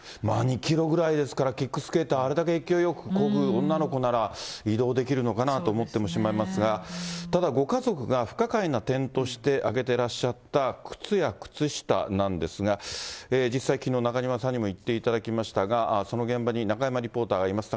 ２キロぐらいですから、キックスケーター、あれだけ勢いよくこぐ女の子なら、移動できるのかなとも思ってしまいますが、ただご家族が不可解な点として挙げてらっしゃった、靴や靴下なんですが、実際、きのう、中島さんにもいっていただきましたが、その現場に中山リポーターがいます。